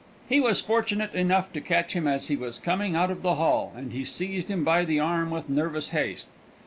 He was fortunate enough to catch him as he was coming out of the hall, and he seized him by the arm with nervous haste.